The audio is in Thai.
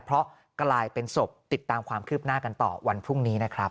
เพราะกลายเป็นศพติดตามความคืบหน้ากันต่อวันพรุ่งนี้นะครับ